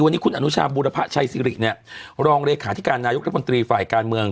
วันนี้คุณอนุชาบูรพะชัยสิริเนี่ยรองเลขาธิการนายกรัฐมนตรีฝ่ายการเมือง